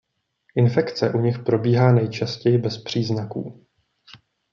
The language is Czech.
Infekce u nich probíhá nejčastěji bez příznaků.